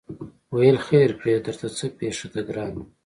ویل خیر کړې درته څه پېښه ده ګرانه